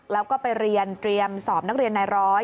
แล้วก็ไปเรียนเตรียมสอบนักเรียนนายร้อย